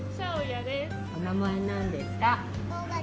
お名前何ですか？